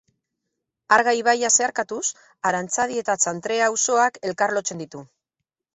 Arga ibaia zeharkatuz, Arantzadi eta Txantrea auzoak elkarlotzen ditu.